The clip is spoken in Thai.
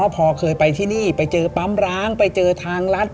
พอเคยไปที่นี่ไปเจอปั๊มร้างไปเจอทางรัฐ